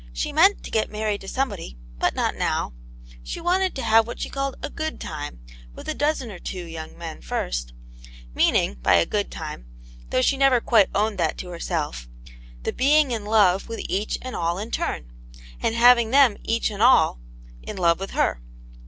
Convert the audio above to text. She meant to get married to somebody, but not now; she wanted to have what she called "a good time" with a dozen or two young men first; meaning by a good time, though she never quite owned that to herself, the being a little in love with each and all in turn, and having them each and all in love with her.